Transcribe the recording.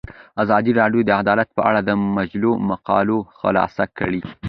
ازادي راډیو د عدالت په اړه د مجلو مقالو خلاصه کړې.